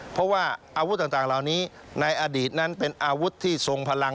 เพราะว่าอาวุธต่างเหล่านี้ในอดีตนั้นเป็นอาวุธที่ทรงพลัง